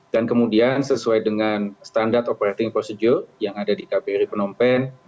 dan kemudian sesuai dengan standar operating procedure yang ada di kbri penompen